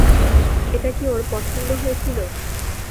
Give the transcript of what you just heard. এটা কি ওর পছন্দ হয়েছিল?